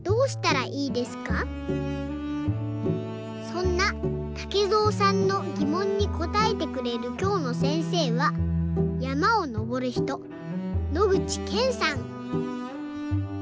そんなたけぞうさんのぎもんにこたえてくれるきょうのせんせいはやまをのぼるひと野口健さん。